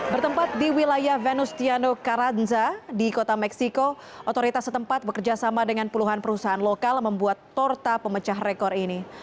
bertempat di wilayah venustiano karanza di kota meksiko otoritas setempat bekerjasama dengan puluhan perusahaan lokal membuat torta pemecah rekor ini